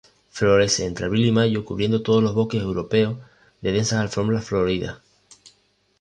Florece entre abril y mayo cubriendo muchos bosques europeos de densas alfombras floridas.